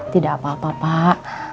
tidak apa apa pak